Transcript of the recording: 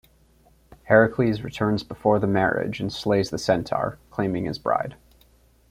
Heracles returns before the marriage and slays the centaur, claiming his bride.